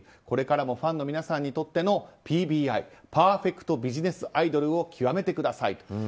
これからもファンの皆さんにとってのＰＢＩ・パーフェクト・ビジネス・アイドルを極めてください。